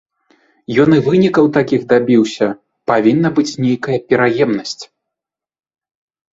Ён і вынікаў такіх дабіўся, павінна быць нейкая пераемнасць.